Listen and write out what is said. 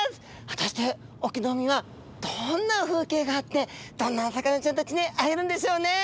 果たして隠岐の海はどんな風景があってどんなお魚ちゃんたちに会えるんでしょうね？